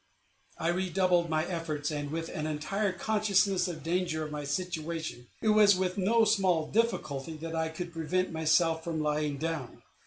I redoubled my efforts, but with an entire consciousness of the danger of my situation; it was with no small difficulty that I could prevent myself from lying down.